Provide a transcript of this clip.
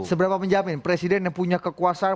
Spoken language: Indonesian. seberapa menjamin presiden yang punya kekuasaan